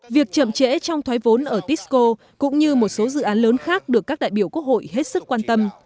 việc chậm trễ trong thoái vốn ở tisco cũng như một số dự án lớn khác được các đại biểu quốc hội hết sức quan tâm